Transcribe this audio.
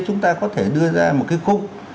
chúng ta có thể đưa ra một cái khung